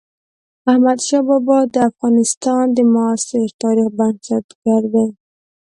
احمد شاه بابا د افغانستان د معاصر تاريخ بنسټ ګر دئ.